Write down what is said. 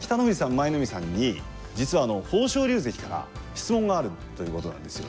舞の海さんに実は豊昇龍関から質問があるということなんですよね。